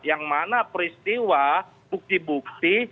yang mana peristiwa bukti bukti